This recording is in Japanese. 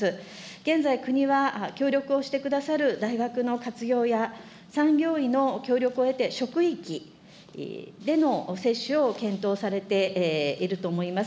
現在、国は協力をしてくださる大学の活用や、産業医の協力を得て、職域での接種を検討されていると思います。